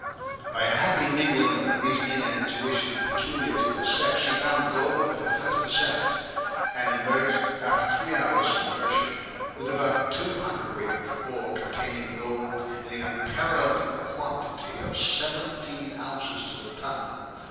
By a happy mingling of reasoning and intuition peculiar to her sex she found gold at her first descent, and emerged after three hours' submersion with about two hundredweight of ore containing gold in the unparalleled quantity of seventeen ounces to the ton.